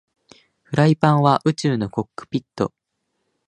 フライパンは宇宙のコックピット